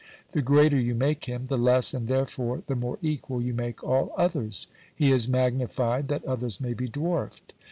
The greater you make him, the less, and therefore the more equal, you make all others. He is magnified that others may be dwarfed.